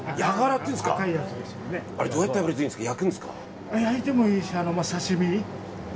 あれどうやって食べるといいんですか。